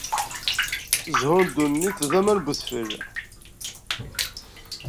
Zzhu n ddunit d aman n udfel.